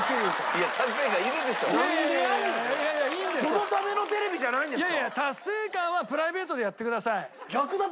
そのためのテレビじゃないんですか？